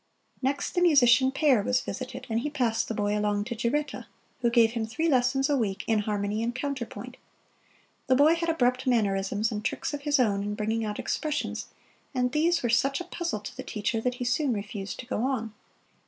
Next the musician Paer was visited, and he passed the boy along to Giretta, who gave him three lessons a week in harmony and counterpoint. The boy had abrupt mannerisms and tricks of his own in bringing out expressions, and these were such a puzzle to the teacher that he soon refused to go on.